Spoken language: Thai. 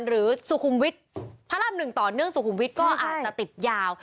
สุขุมวิทย์พระราม๑ต่อเนื่องสุขุมวิทย์ก็อาจจะติดยาว